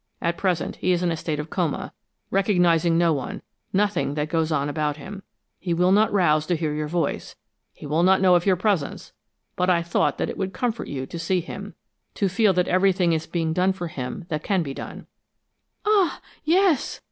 At present, he is in a state of coma, recognizing no one, nothing that goes on about him. He will not rouse to hear your voice; he will not know of your presence; but I thought that it would comfort you to see him, to feel that everything is being done for him that can be done." "Ah, yes!"